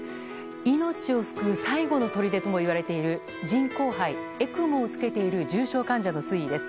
命を救う最後のとりでともいわれている人工肺・ＥＣＭＯを着けている重症患者の推移です。